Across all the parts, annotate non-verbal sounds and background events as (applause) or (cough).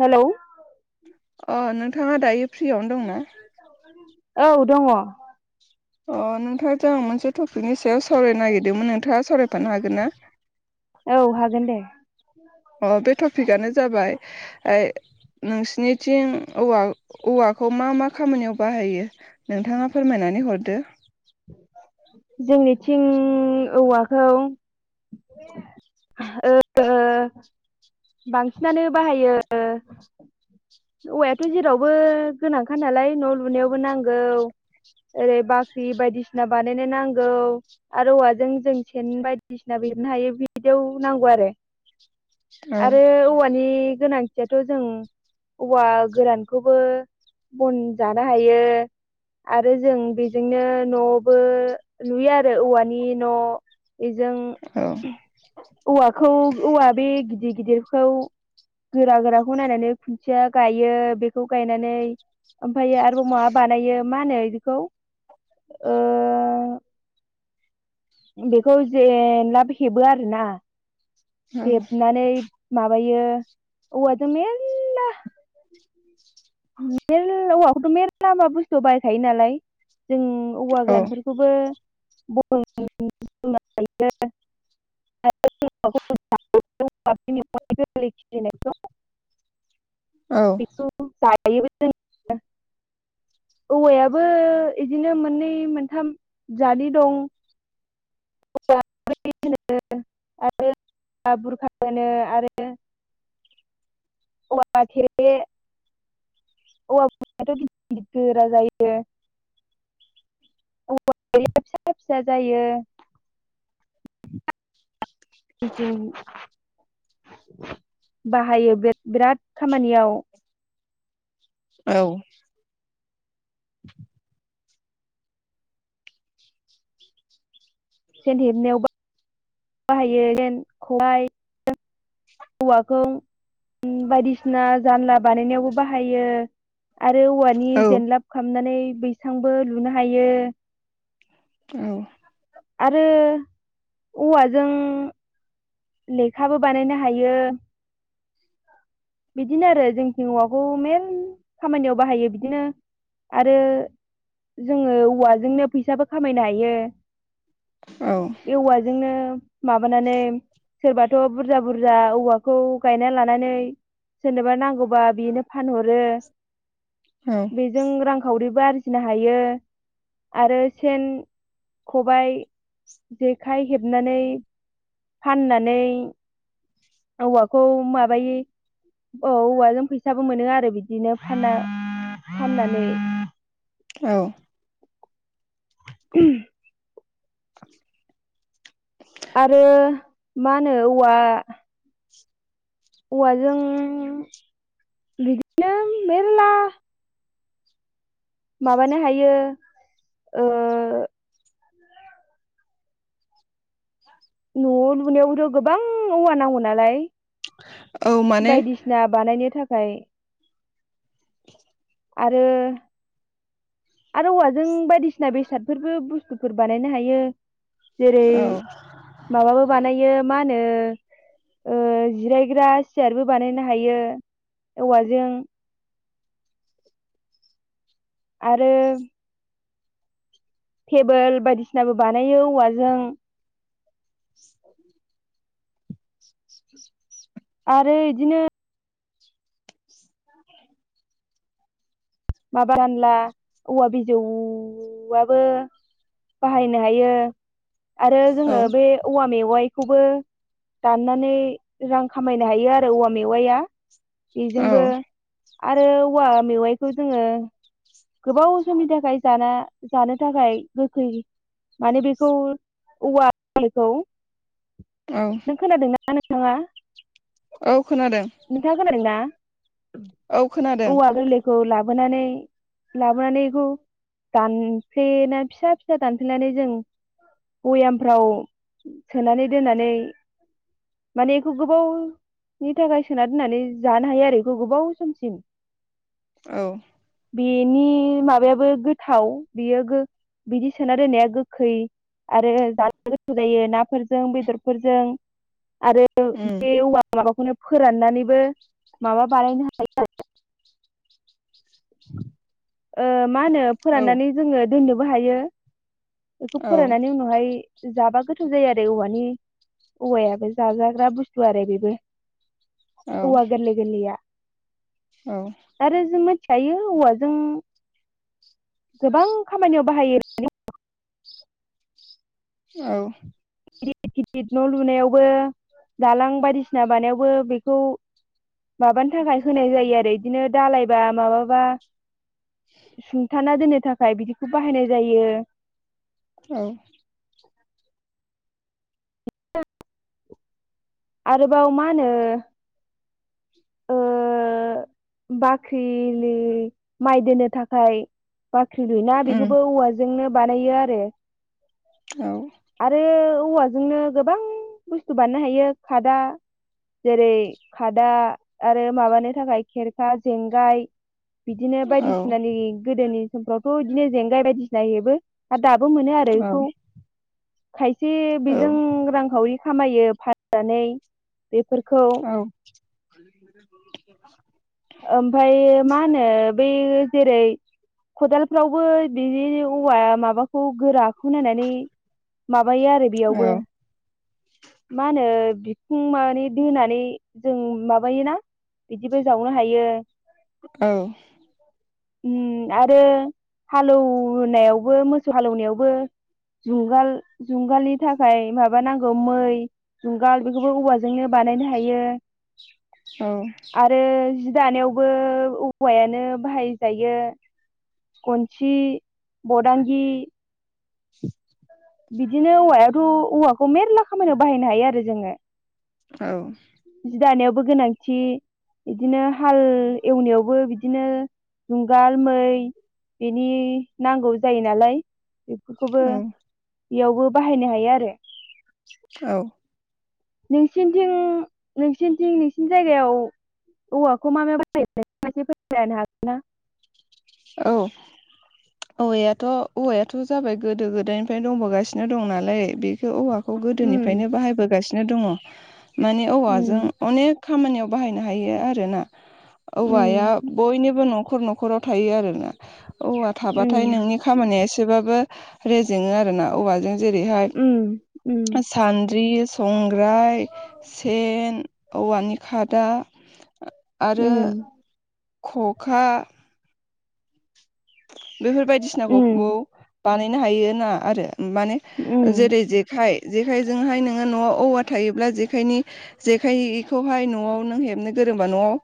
Hello अ नोंथाङा दायो फ्रियावनो दंना औ दङ अ नोंथां मोनसे टपिकनि सायाव सावरायनो नागिरदोंमोन नोंथाङा सावरायफानो हागोन ना औ हागोन दे अ बे टपिकआनो जाबाय नोंसिनिथिं औवा औवाखौ मा-मा खामानियाव बाहायो नोंथाङा फोरमायना नानै हरदो जोंनिथिं औवाखौ ओ बांसिनानो बाहायो औवायाथ' जेरावबो गोनांखा नालाय न' लुनायावबो नांगौ ओरै बाख्रि बायदिसिना बानायनो नांगौ आरो औवाजों जों सेन बायदिसिना लिरनो हायो बिदियाव नांगौ आरो (inaudible) आरो औवानि गोनांथि थियाथ' जों औवा गोरानखौबो बन जानो हायो आरो जों बेजोंनो न'बो लुयो आरो औवानि न' बेजों औ औवाखौ औवा बे गिदिर गिदिरखौ गोरा गोराखौ नायनानै खुन्थिया गायो बेखौ गायनानै ओमफ्रायो आरोबाव माबा बानायो मा होनो बिखौ बेखौ जेन लाब हेबो आरोना औ माने माबायो औवाजों मेरला मेरला औवाखौथ' मेरला लामा बुस्थु बायखायो नालाय जों औवा गोरानफोरखौबो औ (unintelligible) (unintelligible) (unintelligible) औवायाबो बिदिनो मोननै मोनथाम जालि दं (unintelligible) आरो बुरखाबो होनो आरो औवा थेरे औवा बुरखायाथ गिदिर गिदिर गोरा जायो औवारिया फिसा फिसा जायो बिदि बाहायो बिराद खामानियाव औ (inaudible) सेन हेबनायाव बा हायो सेन खबाय हौवाखौ बायदिसिना जानला बानायनायावबो बाहायो आरो औवानि औ जेनलाब खालामनानै बैसांबो लुनो हायो औ आरो औवाजों लेखाबो बानायनो हायो बिदिनो आरो जोंथिं औवाखौ मेन खामानियाव बाहायो बिदिनो आरो जोङो औवाजोंनो फैसाबो खामायनो हायो औ औवाजोंनो माबानानै सोरबाथ' बुरजा बुरजा औवाखौ गायना लानानै सोरनोबा नांगौबा बेनो फानहरो औ बेजों रांखावरि आरजिनो हायो आरो सेन खबाइ जेखाइ हेबनानै फाननानै औवाखौ माबायो औ औवाजों फैसाबो मोनो आरो बिदिनो फानना फाननानै औ (inaudible) (inaudible) आरो मा होनो औवा औवाजों बिदिनो मेरला माबानो हायो न' लुनायावबोथ' गोबां औवा नांगौ नालाय औ माने बायदिसिना बानायनो थाखाय आरो आरो औवाजों बायदिसिना बेसादफोरबो बुस्थुफोर बानायनो हायो जेरै औ माबाबो बानायो मा होनो ओ जिरायग्रा सियारबो बानायनो हायो औवाजों आरो टेबोल बायदिसिनाबो बानायो औवाजों (inaudible) आरो बिदिनो (inaudible) माबा रानला औवा बिजौआबो बाहायनो हायो आरो औ जोङो बे औवा मेवाइ खौबो दाननानै रां खामायनो हायो आरो औवा मेवाइया औ बेजोंबो आरो औवा मेवाइखौ जोङो गोबाव समनि थाखाय जाना जानो थाखाय गोखै माने बेखौ औवा गोरलैखौ (unintelligible) औ नों खोनादोंना नोंथाङा औ खोनादों नोंथाङा खोनादोंना औ खोनादों औवा गोरलैखौ लाबोनानै लाबोनानै बेखौ दानफ्ले फिसा फिसा दानफ्लेनानै जों बयामफ्राव सोनानै दोननानै माने एखौ गोबाव नि थाखाय सोना दोननानै जानो हायो आरो बेखौ गोबाव समसिम औ बेनि माबायाबो गोथाव बेयो गो बिदि सोना दोननाया गोखै आरो जानो गोथाव जायो नाफोरजों बेदरफोरजों आरो उम बे औवा माबाखौनो फोराननानैबो माबा बानायनो हायो। (inaudible) ओ मा होनो औ फोराननानै जोङो दोननोबो हायो बेखौ औ फोराननानै उनावहाय जाबा गोथाव जायो आरो औवानि औवायाबो जाजाग्रा बुस्थु आरो बेबो औ औवा गोरलै गोरलैया औ आरो जों मानथिखायो औवाजों गोबां खामानियाव बाहायो होननानै (unintelligible) औ गिदिर गिदिर न' लुनायावबो दालां बायदिसिना बानायावबो बेखौ माबानि थाखाय होनाय जायो आरो बिदिनो दालायबा माबाबा सुंथाना दोननो थाखाय बिदिखौ बाहायनाय जायो। औ आरोबाव मा होनो ओ बाख्रिनि माइ दोननो थाखाय बाख्रि लुना बेखौबो औवाजोंनो बानायो आरो आरो औवाजोंनो गोबां बुस्थु बानायनो हायो खादा जेरै खादा आरो माबानो थाखाय खेरखा जेंगाय बिदिनो बायदिसिनानि गोदोनि समफ्रावथ' बिदिनो जेंगाय बायदिसिना हेबो दाबो मोनो आरो बेखौ खायसे बेजों रांखावरि खामायो फाननानै बेफोरखौ (inaudible) ओमफ्रायो मा होनो बै जेरै खदालफ्रावबो बेदि औवा माबाखौ गोरा बेखौ नायनानै माबायो आरो बेयावबो मा होनो बि खुं माने दोनानै जों माबायोोना बिदिबो जावनो हायो। औ आरो हालौवनायावबो मोसौ हालौवनायावबो जुंगाल जुंगालनि थाखाय माबानांगौ मै जुंगाल बेखौबो औवाजोंनो बा बानायनो हायो औ आरो जि दानायावबो औवायानो बाहायजायो खनसि बदांगि बिदिनो औवायाथ औवाखौ मेरला खामानियाव बाहायनो हायो आरो जोङो औ दानायावबो गोनांथि बिदिनो हाल एवनायावबो बिदिनो जुंगाल मै बिनि नांगौ जायो नालाय बेफोरखौबो बेयावबो बाहायनो हायो आरो औ नोंसिनिथिं नोंसिनिथिं नोंसिनि जायगायाव औवाखौ मा मा बाहायो फोरमायनो हागोन ना औ औवायाथ औवायाथ जाबाय गोदो गोदायनिफ्रायनो दंबोगासिनो दं नालाय बेखौ औवाखौ खौ उम गोदोनिफ्रायनो बाहायबोगासिनो दङ माने औवाजों उम अनेख खामानियाव बाहायनो हायो आरोना औवाया उम बयनिबो नखर नखराव थायो आरोना औवा थाबाथाय उम नोंनि खामानिया एसेबाबो रेजेङो आरो ना औवाजों जेरैहाय उम सान्द्रि संग्राय सेन औवानि खादा आरो उम खखा बेफोर उम बायदिसिनाखौ बानायनो हायो ना आरो माने उम जेरै जेखाय जेखायजोंहाय नोङो नआव औवा थायोब्ला जेखायनि जेखायखौहाय नआव नों हेबनो बा नआव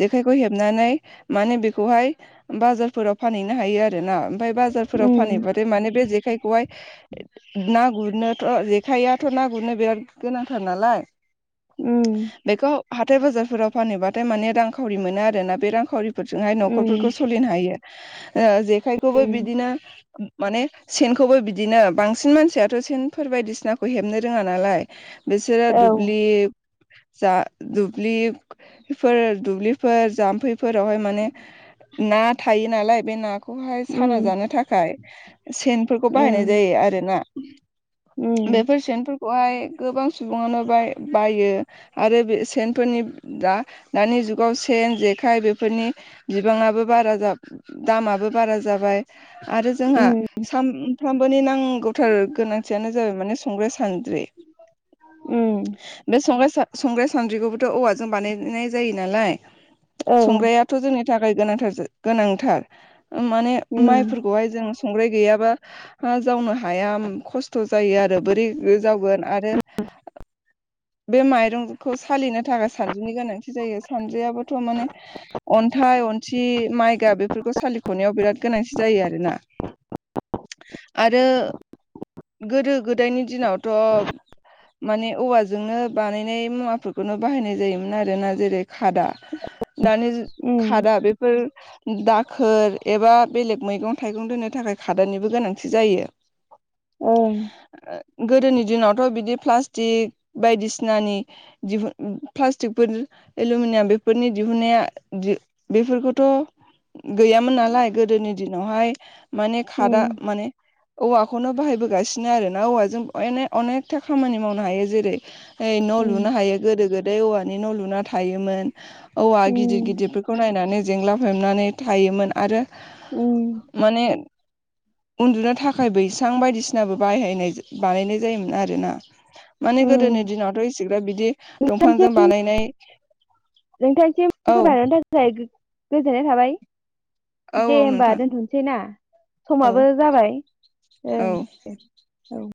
जेायखौ हेनानै म बेखौहाय बाराव फह बाव हायो आरोना ओमफ्राय बाजारफोराव उम फानहैबाथाय बे खौहाय ना गुरनोथ जेखाइयाथ ना गुरनो बिराद गोनांथार नालाय उम बेखौ हाथाय बाजारफोराव फानोबाथाय माने रांखावरि मोनो आरोना बे रांखावरि फोरजोंहाय नखरफोरखौ उम सोलिनो हायो जेखायखौबो उम बिदिनो माने सेनखौबो बिदिनो बांसिन मानसियाथ सेनफोर बायदिसिनाखौ हेबनो रोङा नालाय बिसोरो औ दुब्लि जा दुब्लिफोर दुब्लिफोर जाम्फैफोरावहाय माने ना थायो नालाय बेखौहाय साना उम जानो थाखाय सेनफोरखौ बाहायनाय उम जायो आरोना उम बेफोर सेनफो खौहाय गोबां सुबङानो बायो आरो बे सेनफोरनि दानि जुगाव सेन जेखाय बेफोरनि बिबाङाबो बारा दामाबो बारा जाबाय आरो जोंहा उम फ्रामबोनि नांगौथार गोनांथियानो जाबाय माने संग्राया सान उम बे संग्राय सानद्रिखौबोथ औवाजों बानायनाय जायो नालाय औ संग्रायाथ जोंनि थाखाय गांथार गोनांथार माने उम माइफोरखौहाय जों संग्राय गैयाबा हा जावनो हाया खस्थ जायो आरो बोरै जावगोन आरो बे माइरंखौ सालिनो थाखाय सान सान्द्रिनि गोनांथि जायो आरो सानद्रियाबोथ अन्थाय अनथि माय बेफोरखौ सालिखनायाव बिराद गोनांथि जायो आरोना आरो गोदो गोदोनि दिनावथ माने औवाजोंनो बानायनाय मुवाफोरखौनो बाहायनाय जायोमोन आरोना जेरै खादा नानि उम खादा बेफोर दा खोर एबा बेलेग मैगं थाइगं दोननो थाखाय खादानिबो गोनांथि जायो ओं गोदोनि दिनावथ' बिदि प्लास्टिक बायदिसिनानि दिहुन प्लास्टिकफोर एलमिनियाम बेफोरनि दिहुननाया बेफोरखौथ' गैयामोन नालाय गोदोनि दिनावहाय माने खादा उम माने औवाखौनो बाहायबोगासिनो आरो ना औवाजोंनो अनेकथा खामानि मावनो हायो जेरै हाइ न' लुनो उम हायो गोदो गोदाय औवानि न' लुना थायोमोन औवा गिदिर उम गिदिरफोरखौ नायनानै जेंला हेबनानै थायोमोन आरो उ माने उन्दुनो थाखाय बैसां बायदिसिनाबो बाहायनाय बानायनाय जायोमोन आरो माने उम गोदोनि दिनावथ' इसेग्राब बिदि दंफांजों नोंथांसिम बानायनाय नोंथांसिम (unintelligible) औ थाखाय गोजोननाय थाबाय औ दे औ होमबा नोंथां दोनथ'सै ना औ समाबो जाबाय ओं औ दे औ